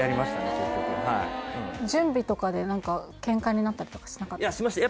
結局はい準備とかで何かケンカになったりとかいやしました